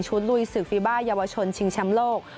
ลุยศึกฟีบ้ายาวชนชิงแชมป์โลก